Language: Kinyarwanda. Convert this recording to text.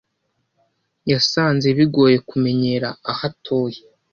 Yasanze bigoye kumenyera aho atuye.